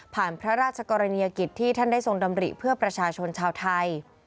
พระราชกรณียกิจที่ท่านได้ทรงดำริเพื่อประชาชนชาวไทย